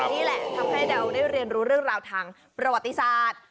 นี่แหละทำให้เราได้เรียนรู้เรื่องราวทางประวัติศาสตร์